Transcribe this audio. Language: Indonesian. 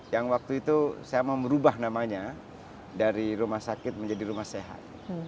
yang waktu itu saya mau merubah namanya dari rumah sakit menjadi rumah sehat